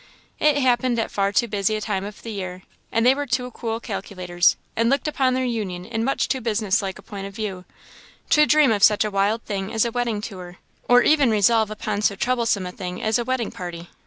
It happened at far too busy a time of the year, and they were too cool calculators, and looked upon their union in much too business like a point of view, to dream of such a wild thing as a wedding tour, or even resolve upon so troublesome a thing as a wedding party.